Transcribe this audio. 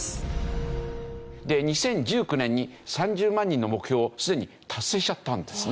で２０１９年に３０万人の目標をすでに達成しちゃったんですね。